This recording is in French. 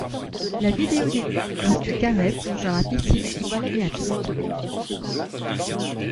La vidéo débute lorsque Carey plonge dans la piscine et conduit un jet-ski.